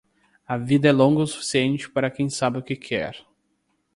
A vida é longa o suficiente para quem sabe o que quer